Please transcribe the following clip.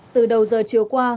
từ đầu giờ chiều qua